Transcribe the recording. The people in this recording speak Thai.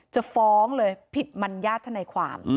จะฟ้องเลยผิดบรรยายัดทันเนยความ